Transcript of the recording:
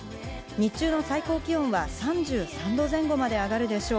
日中の最高気温は３３度前後まで上がるでしょう。